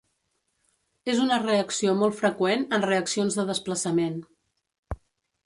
És una reacció molt freqüent en reaccions de desplaçament.